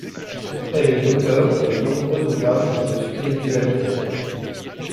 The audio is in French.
Elle est l'auteur de nombreux ouvrages de spiritualité.